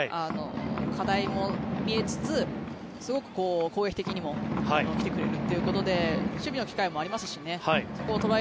課題も見えつつすごく攻撃的にも来てくれるということで守備の機会もありますしねトライ